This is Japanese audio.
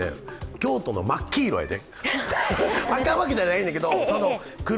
京都の真黄色やで。